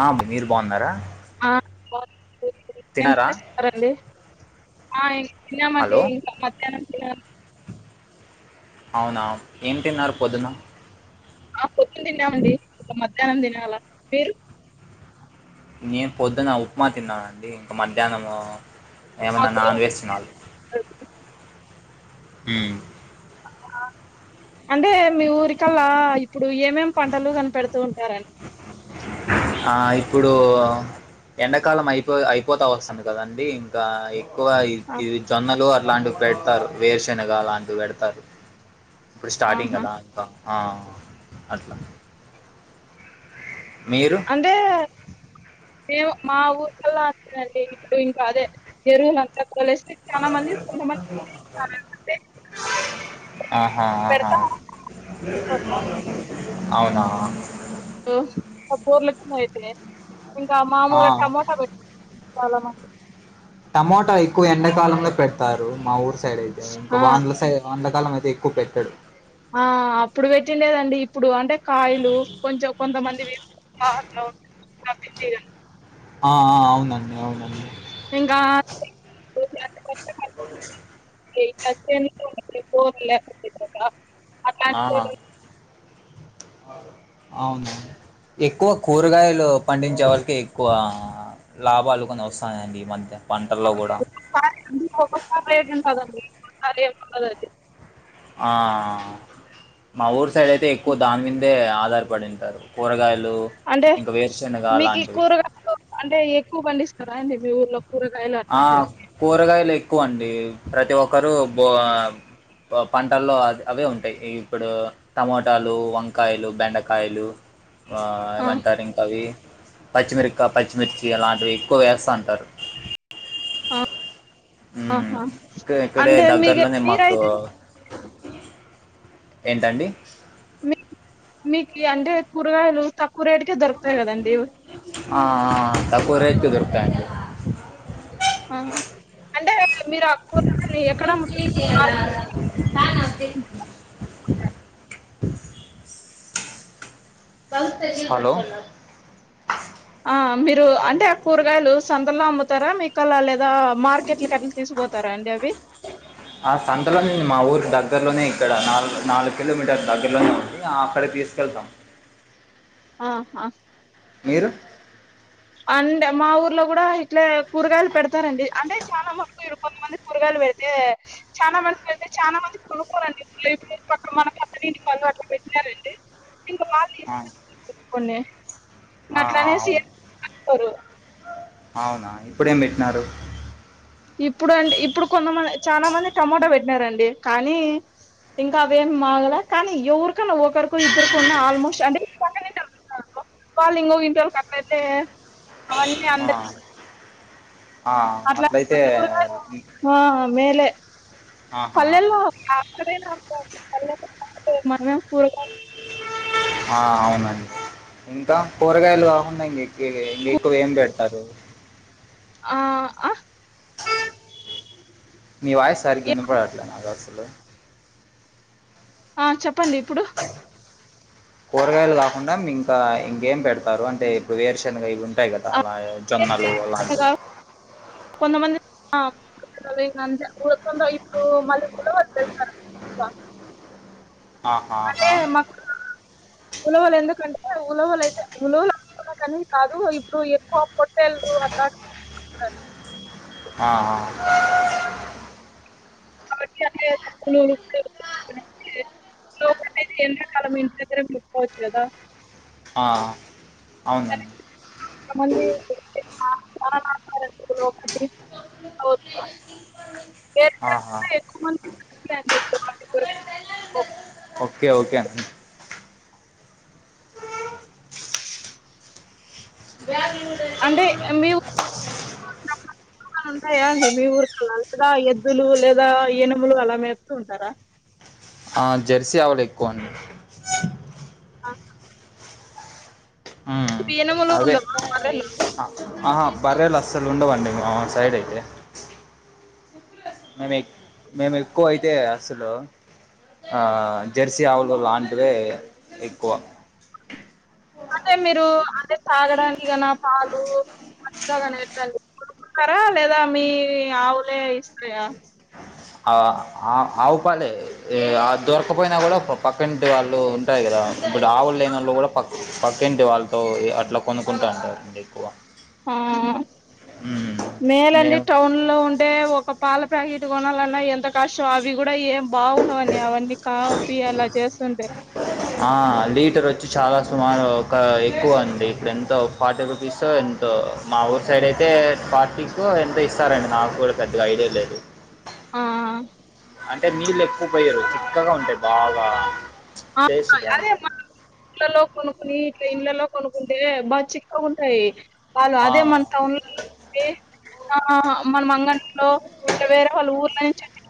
ఆ బ్ మీరు బావున్నరా ఆ [inaudible] చేస్తరండి ఆ ఎం తినమండి హలో ఇంకా మధ్యాహ్నం తినను అవునా ఏం తిన్నారు పొద్దున ఆ పొద్దున తిన్నామండి ఇపుడు మధ్యాహ్నం తినాలా మీరు నేను పొద్దున్న ఉప్మా తిన్నానండి ఇంక మధ్యాహ్నము ఏమన్నా మాకు కూడా నాన్ వెజ్ తినాలి ఉంటది. హ్మ్ అంటే మీ ఊరికల్లా ఇప్పుడు ఏమేం పంటలు కనిపెడుతూ ఉంటారండి ఆ ఇప్పుడు ఎండాకాలం అయిపో అయిపోతా వస్తుంది కదండి కా ఎక్కువ ఇ ఆ! ఇది జొన్నలు అట్లాంటివి పెడతారు వేరుశెనగా అలాంటివి పెడతారు ఇప్పుడు స్టార్టింగ్ ఆహా కదా ఇంక ఆ అట్లా మీరు ఏమో మా ఊర్లల్లా అట్లనేనండి ఇప్పుడు ఇంకా అదే ఎరువులంత తొలెస్ అంటే అ ఆహా ఆహా పెడతా ఉంటారు. అవునా రూ బోర్లేకువున్నయితే ఇంకా మామూలుగ ఆ. టమోటా పెట్ చాలా మంది టమోటా ఎక్కువ ఎండాకాలంలో పెడతారు మా ఊరు సైడ్ అయితే ఇంకా ఆ వానల సై వానలకాలమయితే ఎక్కువ పెట్టడు ఆ అప్పుడు పెట్టిండేదండి ఇప్పుడు అంటే కాయలు కొంచెం కొంతమంది వి [inaudible] అట్ల [inaudible] ఆ ఆ అవునండి అవునండి ఇంకా అ [unintelligible] అట్లాంటి ఆహా కూరలు అవును ఎక్కువ కూరగాయలు పండించే వాళ్ళకి ఎక్కువ లాభాలు కొన్ని వస్తాన్నాయిండి ఈ మధ్య పంటల్లో కూడా కాయలకు ఒక్కొక్క రేటు ఉంటాదండి ఒక రేటు ఉండదు ఏం అది ఆ మా ఊరు సైడ్ అయితే ఎక్కువ దాని మీదే ఆధారపడింటారు కూరగాయలు అంటే ఇంకా వేరుశనగ మీకు ఈ అలాంటివి కూరగాయలు అంటే ఎక్కువ పండిస్తారా అండి మీ ఊర్లో కూరగాయలు ఆ అట్లాంటివన్నీ కూరగాయలు ఎక్కువ అండి ప్రతి ఒక్కరు బో పంటల్లో ఆ అవే ఉంటాయి ఇప్పుడు టమోటాలు వంకాయలు బెండకాయలు ఆ ఏమంటారు ఇంకా అవి పచ్చిమిరకా పచ్చిమిర్చి అలాంటివి ఎక్కువ వేస్తంటారు ఆ మ్మ్. ఆహా ఇక్క- ఇక్కడే అంటే మీ దగ్గరలోనే మాకు మీరైతే ఏంటండి మీకు మీకీ అంటే కూరగాయలు తక్కువ రేటుకే దొరుకుతాయి కదండి ఆ ఆ తక్కువ రేట్ కే దొరుకుతాయండి ఆ అంటే మీరు కూరగాయలు ఎక్కడ అమ్ముతారు మార్కెట్ [unintelligible] హలో ఆ మీరు అంటే కూరగాయలు సంతల్లో అమ్ముతారా మీకల్లా లేదా మార్ చెట్ల కట్టలు తీసుకుపోతారా అండి అవి ఆ సంతలోనే అండి మా ఊరి దగ్గరలోనే ఇక్కడ నాలుగు నాలుగు కిలోమీటర్ దగ్గరలోనే ఉంది అక్కడ తీసు వెళ్తాం ఆహా మీరు అంటే మా ఊర్లో కూడా ఇట్లే కూరగాయలు పెడతారండి అంటే చాలా మట్టుకు కొంతమంది కూరగాయలు పెడితే చాలా మందికి వెళ్తే చాలా మంది కొనుక్కోరండి మక్కడ మనం అక్క నుంచి పన్ను అట్లు పెట్టినారండి ఇప్పుడు ఇంకా మాల్ తీసుకుని పెట్టు కొన్న ఆ ఆ ఔను స్తారు ఔనా ఇప్పుడేం పెట్టినారు ఇప్పుడు అండి ఇప్పుడు కొంతమంది చాలా మంది టమోటా పెట్టినారండి కానీ ఇంకా అవేమి మాగలా కానీ ఎవరికన్నా ఒకరికో ఇద్దరికన్న ఆల్మోస్ట్ అంటే పక్కనే [unintelligible] ఇ ఫుబాల్ ఇంకొక ఇంటర్ కట్టలయితే అవన్నీ ఆ, అందరి ఆ, అట్ల అట్లయితే కూరగాయలు ఆ మేలే ఆహా ఆహా పల్లెల్లో ఎక్కడైనా మనమేం కూరగాయలు ఆ ఔనండి ఇంకా కూరగాయలు కాకుండా ఇంకక్ ఇంకెక్కువ ఏం పెడతారు ఆ ఆ మీ వాయిస్ సరిగ్గా ఏ వినపడుట్లే నా కసలు ఆ చెప్పండి ఇప్పుడు కూరగాయలు కాకుండా ఇంకా ఇంకేం పెడతారు అంటే ఇప్పుడు వేరుశెనగా ఇవి ఉంటాయి కదా అలా జొన్నలు అలాంటివి కొంతమంది వే అంత ఉకంద ఇప్పుడు [unintelligible] అదే ఆహాహా మ ఉలవలు ఎందుకంటే ఉలవలు అయితే ఉలవలు అనుకున్న కానీ కాదు ఇప్పుడు ఎక్కువ తెలుగు అద [unintelligible] ఆ అ లోపల అయితే ఎంతకాలం ఇంటి దగ్గరే పెట్కోవచ్చు కదా ఆ ఎందుకంటే అవునండి కొంతమంది ఒకటి ఆహా వేరుశనగ ఎక్కువ మంది అండి వాటి కొరకు ఓకే ఓకే అండి బ్యాంగుళూరు అంటే మీ ఉంటాయా అండి మీ ఊరికలా లేదా ఎద్దులు లేదా ఈనములు అలా మేపుతూ ఉంటారా ఆ జెర్సీ ఆవులు ఎక్కువ అండి అ మ్మ్ ఎనుములు అవే ఉండవు బర్రెలు ఆహా బర్రేలు అస్సలు ఉండవండి మా సైడ్ అయితే మేము మేము ఎక్కువ అయితే అసలు జెర్సీ ఆవులు లాంటివే ఎక్కువ అంటే మీరు అదే తాగడానికి పాలు మంచిగా [inaudible] పర్వాలేదా మీ ఆవులే ఇస్తయా ఆ ఆవుపాలే ఆ దొరక్కపోయినా కూడా పక్కంటి వాళ్ళు ఉంటాయి కదా ఇప్పుడు ఆవులు లేని వాళ్ళు కూడా పక్క పక్కింటి వాళ్ళతో అట్లా కొనుక్కుంటా ఉంటారండి ఎక్కువ ఆ మ్మ్ మేలండి మేము టౌన్ లో ఉం టే ఒక పాల ప్యాకెట్ కొనాలన్నా ఎంత ఫస్ట్ అవి కూడా ఏం బాగున్నవని అవన్నీ కాపీ అలా చేస్తుండే ఆ లీటర్ వచ్చి చాలా సుమారు ఒక ఎక్కువ అండి ఇక్కడ ఎంతో ఫార్టీ రూపీస్ సో మా ఊరు సైడ్ అయితే ఫార్టీకో ఎంతో ఇస్తారండి నాకు కూడా పెద్దగా ఐడియా లేదు ఆ అంటే నీళ్ళు ఎక్కువ పోయరు చిక్కగా ఉంటాయి బాగా టేస్ట్ అదే బాగుంటాయి మ ఇళ్ళలో కొనుక్కుని ఇట్లా ఇండ్లలో కొనుకుంటే బాగా చిక్క ఉంటాయి వాళ్ళు ఆ అదే మన టౌన్ లో ఆ మన మంగ ఇ వేరే వాళ్ళు ఊర్ల నుంచి వచ్చి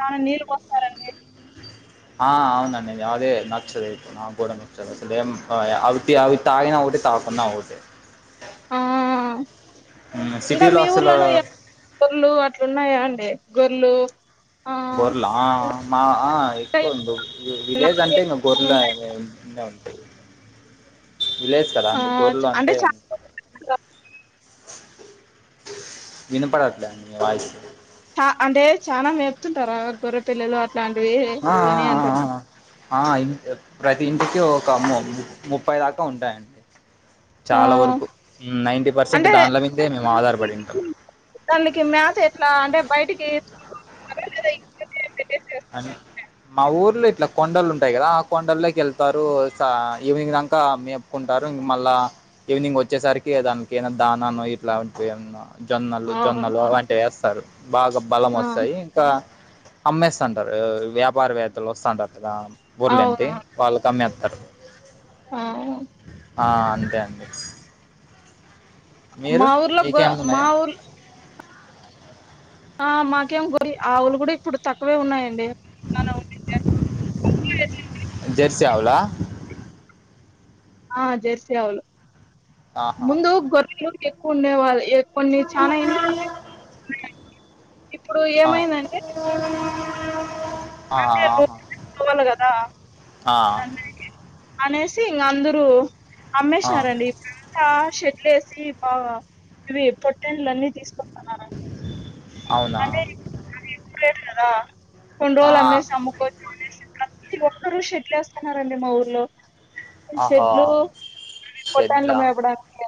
చాలా నీరు పోస్తారు అని ఆ అవునండి నేను అదే నచ్చదయితే నాకు కూడా నచ్చదు అసలు అవి అవి తాగిన ఒకటే తాగకున్న ఒకటే ఆ ఇంకా సిటీలో మీ అసలు ఊర్లోనూ గొర్లు అట్లున్నాయా అండి గొర్లు ఆ గొర్లా మా ఆ ఎక్కువ ఉండవు విలేజ్ అంటే ఇంక గొర్లు అవే ఉన్నె ఉంటాయి. విలేజ్ కదా ఆ ఇంగ గొర్లు అంటే, వినపడట్లే అండి మీ వాయిస్ ఆ అంటే చానా మేపుతుంటారా గొర్రె పిల్లలు అట్లాంటివి ఆ ఆ అని అంటున్నా ఆ ఆ ఇన్ ప్రతి ఇంటికి ఒక ము ముప్పై దాకా ఉంటాయండి. ఆ చాలా వరకు నైన్టీ పర్సెంట్ అంటే దాన్ల మిమ్దె మేము ఆధార పడింటాం. దాన్లకి మ్యాథ ఎట్లా అంటే బయటికి తీసుకొని వెళ్తారా లేద ఇంట్లోనే పెట్టేసి ఎస్ అని మా ఊర్లో ఇట్లా కొండలు ఉంటాయి కదా ఆ కొండల్లోకి వెళ్తారు సా ఈవినింగ్ దంకా మేప్ కుంటారు ఇంగ మళ్ళా ఈవినింగ్ వచ్చేసరికి దానికి ఏదన్న దానాను ఇట్లాంటివి ఏమన్నా జొన్నలు, జొన్నలు అవునవును అలాంటివి వేస్తారు. బాగా బలం ఆ వస్తాయి ఇంకా అమ్మేస్ తాంటారు వ్యాపారవేత్తలు వస్తాంటారు కదా ఊర్లంటి అవును వాళ్ళకి అమ్మేత్తారు. ఆ ఆ అంతే అండి. మీరు మా ఊర్లో గొ మీకేమైనా మా ఉన్నాయా ఊర్లో ఆ మాకేం గురి ఆవులు కూడ ఇప్పుడు తక్కువే ఉన్నాయండి. చానా ఉన్నిండే. [unintelligible] జెర్సీ ఆవుల? ఆ జెర్సీ ఆవులు ఆహా ముందు గొర్రెలు ఎక్కువ ఉండేవాళ్ళు ఎక్ కొన్ని చాన ఏండ్లు [inaudible] ఇప్పుడు ఆ, ఏమైందంటే, ఆ, అంటే రోజు ఆహా [unintelligible] పోవల్ల కదా ఆ, కన్నయ్యకి అనేసి ఇంక అందరూ ఆ, అమ్మేసినారండి. అంతా షెడ్లు ఏసి బాగ ఇవి పొట్టెండ్లు అన్ని తీసుకో ఆ అంటే అది ఎత్తిపోయేది కదా కొన్ని ఆ, రోజులు అమ్మేసాము కో మేము ఏసిన తర్వాత ప్రతి ఒక్కరు షెడ్లు ఏసుకున్నారండి మా ఊర్లో. ఆహా షెడ్లు అవును. పొట్టన్లు షెడ్లా మేపడానికి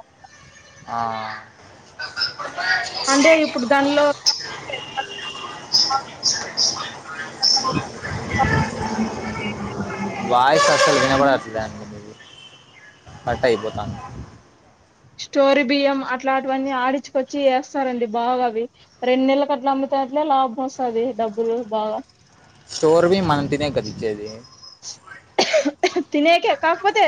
ఆ అంటే ఇప్పుడు దానిలో వాయిస్ అసలు మ్మ్ వినబడట్లే అండి మీది కట్ అయిపోతాంది. స్టోరీ బియ్యం అట్లాటివన్నీ ఆడిచ్చుకొచ్చి ఏస్తారండి బాగ అవి రెండు నెల్లకు అట్లా అమ్ముతే అట్లే లాభం వస్తది డబ్బులు బాగ. స్టోర్ బియ్యం మనం తినేకి కదా ఇచ్చేది తినేకె కాకపోతే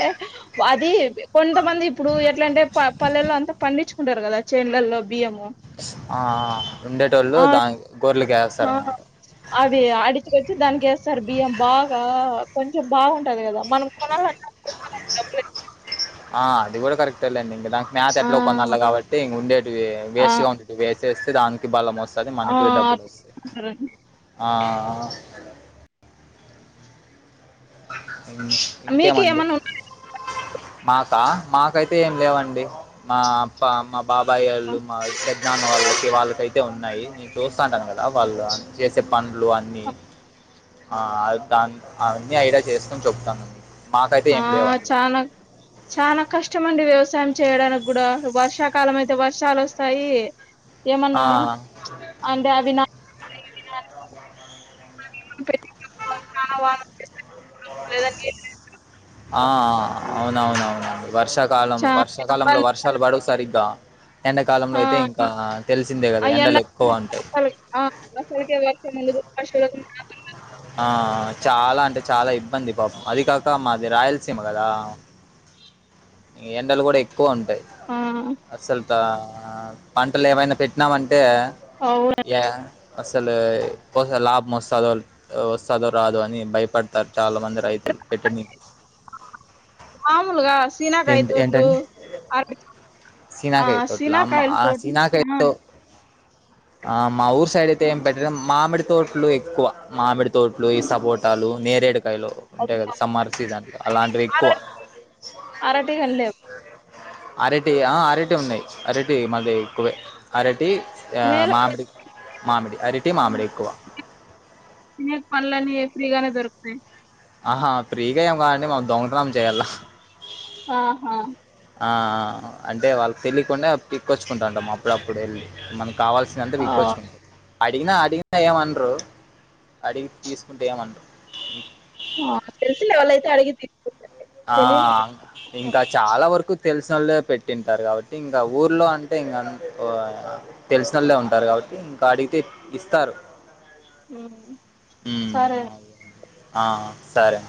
వది కొంతమంది ఇప్పుడు ఎట్ల అంటే ప పల్లెల్లో అంతా పండించుకుంటారు కదా చెనులల్లో బియ్యము. ఆ ఉండేటోళ్ళు ఆ దానికి గొర్లకి ఏస్తార్ అనమాట. అది అడిచ్చుకొచ్చి దానికి ఏస్తారు బియ్యం బాగ కొంచెం బాగుంటది కదా మనం కొనలన్న కొంటానే [unintelligible] డబ్బులయి ఆ అది కూడ కరెక్టేలేండి ఇంగ దా మ్యాథ ఆ ఎట్లో కొనల్ల కాబట్టి ఇంగ ఉండేటివి ఆ వేస్ట్గా ఉండేటివి వేసేస్తే దాని కి బలం వస్తది. ఆ మనకి డబ్బులు వస్తాయి. ఆ మ్ మీక్ ఏమన్నా మాకా మాకైతే ఏం లేవండి మా అప్ప మా బాబాయోళ్ళు ఉన్నాయా మా ఇ పెద్ నాన్న వాళ్ళకి వాళ్ళకైతే ఉన్నాయి నీ చూస్తాంటాను కదా వాళ్ళు అన్ చేసే పనులు అన్నీ హా కా ఆ అన్నీ ఐడియా చేసుకని చెప్తానండి ఆ చానా చానా కష్టమండి వ్యవసాయం చేయడానిగ్గూడా వర్షాకాలమయితే వర్షాల్ ఒస్తాయి అ ఏమన్నా అంటే అవి నా [inaudible] చానా వా [inaudible] ఏద నీ ఆ అ అవునవునవునండి వర్ష కాలం చాలా వర్షాకాలంలో ఇబ్బంది వర్షాలు బడువు సరిగ్గా ఎండకాలంలో ఆ అయితే ఇంకా తెలిసిందే గద ఎండల్ ఎక్కువ అంటాయి సలి అ [inaudible] ఆ చాలా అంటే చాలా ఇబ్బంది పాపు అది కాక మాది రాయలసీమ గదా ఈ ఎండల్ గూడ ఎక్కువుంటాయ్ ఆ అసల్ తా పంటల్ ఏమైనా పెట్టినామంటే అవ్ యా అసలు కోస లాబ్ మోస్తాదో ల్ అ ఒస్తదో రాదుో అని భయపడతారు చాలా మంది రైతులు పెట్టనికి మాములుగాస్ తినాకాయ్ ఏంటి తోట్లు ఏంటండి అర్ బి ఆ సీనాకాయ తోట్ల శీనాకాయల్ ఆ తోట్లు ఆ సీనాకాయతో ఆ మా ఊరు సైడ్ అయితే ఏం పెట్టడం మామిడి తోట్లు ఎక్కువ మామిడి తోట్లు ఈ సపోర్ట్ టాలు నేరేడుకాయలు ఉంటాయి కద్ అబ్బా సమ్మర్ సీజన్లు అలాంటివ్ ఎక్కువ అరటి అరటి కాని లేవు అరటి ఆ అరటి ఉన్నయ్ అరటి మళ్ళీ ఎక్కువే అరటి యా మేలు కదా. మామిడి మామిడి అరిటి మామిడి ఎక్కువ తినే పనులని ఏ ఫ్రీగానే దొరుకుతయి ఆహా ప్రీగా ఏం కాదండి మక్ దొంగటన్నాం చేయాల ఆహా ఆ అంటే వాళ్ళక్ తెలికుండా పిక్కొచ్చుకుంటా ఉంటాం అప్పుడప్పుడ్ ఎళ్ళి మనక్ కావాల్సినంత ఆ విక్కుచ్చుకుంటం అడిగినా అడిగి ఏమనరు అడిగి తీసుకుంటే ఏమనరు వా తెలుసులే వాళ్ళైతే అడిగి తీ [inaudible] ఆ ఇంకా చాలా వరకు తెలిసినోళ్లే పెట్టింటారు కావట్టి ఇంగా ఊర్లో అంటే ఇంగన్ వా తెలిసినోళ్లే ఉంటారు కావట్టి ఇంకా అడిగితే ఇస్తారు ఉమ్ ఊమ్ సరే ఆ సరే